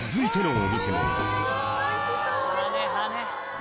お！